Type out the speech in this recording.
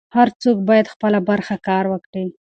هر څوک بايد خپله برخه کار وکړي.